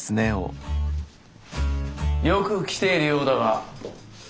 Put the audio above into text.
よく来ているようだが。